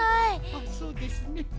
あそうですね。